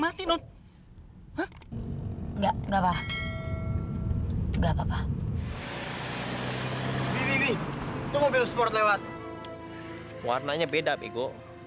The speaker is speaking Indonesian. mati not enggak enggak apa apa juga papa papa hai wih mobil sport lewat warnanya beda piko